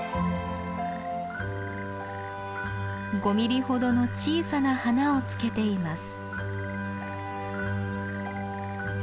５ミリほどの小さな花をつけています。